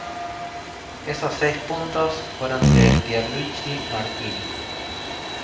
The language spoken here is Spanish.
Esos seis puntos fueron de Pierluigi Martini.